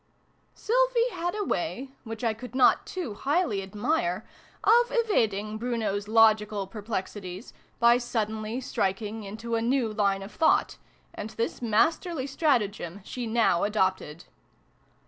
Sylvie had a way which I could not too highly admire of evading Bruno's logical perplexities by suddenly striking into a new line of thought ; and this masterly stratagem she now adopted.